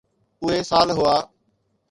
اهي سال هئا.